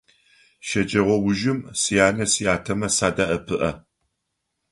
Щэджэгъоужым сянэ-сятэмэ садэӀэпыӀэ.